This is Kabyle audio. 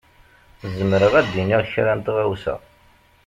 Zemreɣ ad d-iniɣ kra n tɣawsa.